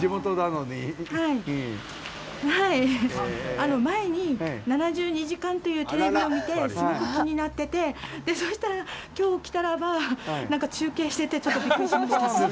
あの前に「７２時間」というテレビを見てすごく気になっててそしたら今日来たらば何か中継しててちょっとびっくりしました。